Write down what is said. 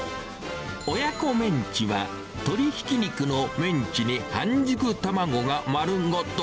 親子メンチは、鶏ひき肉のメンチに半熟卵が丸ごと。